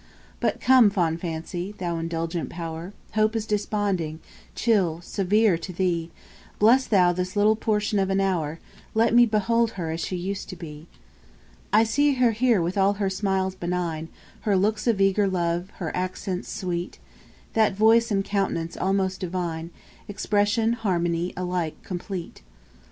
4. But come, fond Fancy, thou indulgent power; Hope is desponding, chill, severe, to thee: Bless thou this little portion of an hour; Let me behold her as she used to be. 5. I see her here with all her smiles benign, Her looks of eager love, her accents sweet, That voice and countenance almost divine, Expression, harmony, alike complete.